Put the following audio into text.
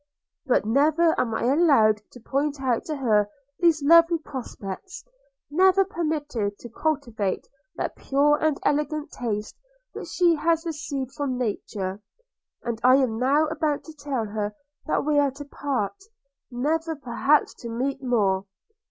– But never am I allowed to point out to her these lovely prospects, never permitted to cultivate that pure and elegant taste which she has received from nature; and I am now about to tell her that we are to part, never perhaps to meet more!